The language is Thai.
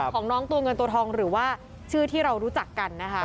ของน้องตัวเงินตัวทองหรือว่าชื่อที่เรารู้จักกันนะคะ